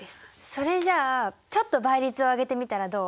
それじゃあちょっと倍率を上げてみたらどう？